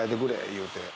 言うて。